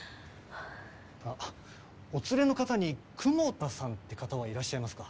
あっお連れの方に雲田さんって方はいらっしゃいますか？